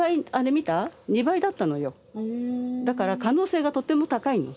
だから可能性がとても高いの。